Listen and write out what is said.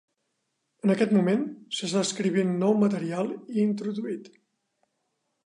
En aquest moment, s'està escrivint nou material i introduït.